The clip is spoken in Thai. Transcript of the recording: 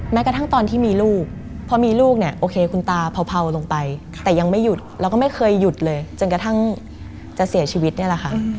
แม้กระทั่งตอนที่มีลูกพอมีลูกเนี่ยโอเคคุณตาเผาลงไปแต่ยังไม่หยุดแล้วก็ไม่เคยหยุดเลยจนกระทั่งจะเสียชีวิตนี่แหละค่ะ